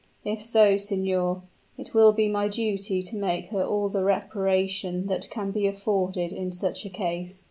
If so, signor, it will be my duty to make her all the reparation that can be afforded in such a case."